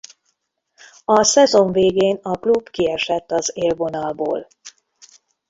A szezon végén a klub kiesett az élvonalból.